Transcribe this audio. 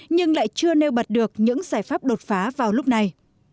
nhưng lại chưa nêu bật được những giải pháp đột phá vào lúc này